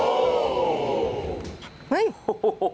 โอ้โห